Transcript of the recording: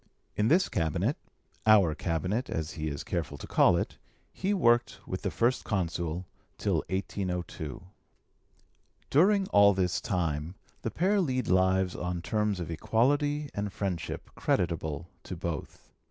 In this cabinet our cabinet, as he is careful to call it he worked with the First Consul till 1802. During all this time the pair lead lives on terms of equality and friendship creditable to both.